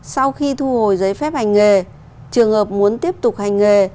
sau khi thu hồi giấy phép hành nghề trường hợp muốn tiếp tục hành nghề